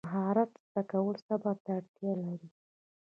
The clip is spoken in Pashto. مهارت زده کول صبر ته اړتیا لري.